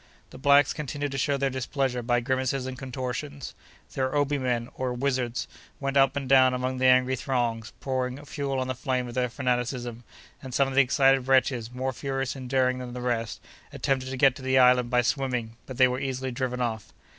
The blacks continued to show their displeasure by grimaces and contortions. Their obi men, or wizards, went up and down among the angry throngs, pouring fuel on the flame of their fanaticism; and some of the excited wretches, more furious and daring than the rest, attempted to get to the island by swimming, but they were easily driven off.